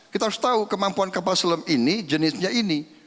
kita harus tahu kemampuan kapal selam ini jenisnya ini